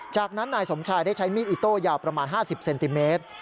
จากนั้นนายสมชายได้ใช้มีดอิโต้ยาวประมาณ๕๐เซนติเมตร